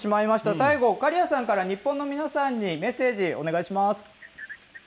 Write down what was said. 最後、カリアさんから日本の皆さんにメッセージお願いします。